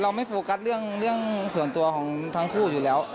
ไม่โฟกัสเรื่องส่วนตัวของทั้งคู่อยู่แล้ว